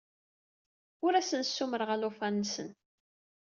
Ur asen-ssusumeɣ alufan-nsen.